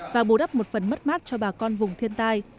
và bù đắp một phần mất mát cho bà con vùng thiên tai